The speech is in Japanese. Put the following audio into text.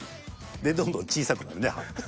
どんどん小さくなるね葉。